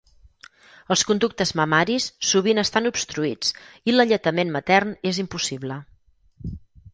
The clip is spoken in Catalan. Els conductes mamaris sovint estan obstruïts i l'alletament matern és impossible.